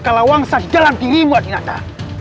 kala wangsat dalam dirimu adinata